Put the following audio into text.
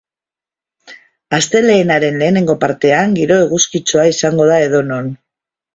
Astelehenaren lehenengo partean giroa eguzkitsua izango da edonon.